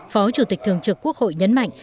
phó chủ tịch thường trực quốc hội nhấn mạnh